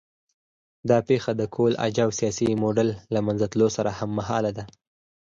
دا پېښه د کهول اجاو سیاسي موډل له منځه تلو سره هممهاله ده